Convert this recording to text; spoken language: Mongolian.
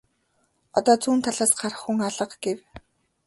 Одоо зүүн талаас гарах хүн алга гэв.